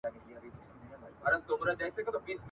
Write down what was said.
د پاکوالي او روغتیا ترمنځ نژدې اړیکه سته.